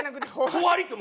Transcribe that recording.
「ほわり」と。